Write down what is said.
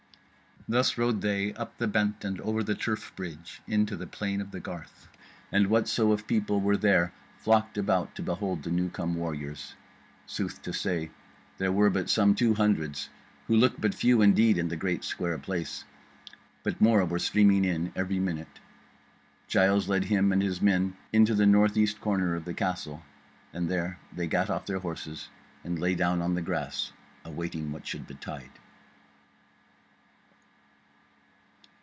Thus rode they up the bent and over the turf bridge into the plain of the garth, and whatso of people were there flocked about to behold the new come warriors; sooth to say, there were but some two hundreds, who looked but few indeed in the great square place, but more were streaming in every minute. Giles led him and his men into the north east corner of the castle, and there they gat off their horses and lay down on the grass awaiting what should betide.